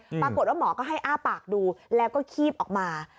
ปรากฏว่าหมอก็ให้อ้าปากดูแล้วก็ขีบออกมา